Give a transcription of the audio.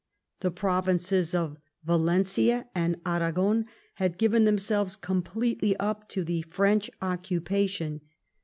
The provinces of Valencia and Aragon had given themselves completely up to the French occupa tion.